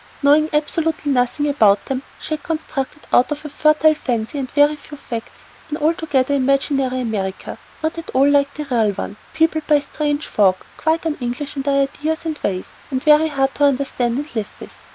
Knowing absolutely nothing about them, she had constructed out of a fertile fancy and a few facts an altogether imaginary America, not at all like the real one; peopled by strange folk quite un English in their ideas and ways, and very hard to understand and live with.